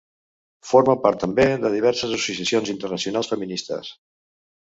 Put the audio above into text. Forma part també de diverses associacions internacionals feministes.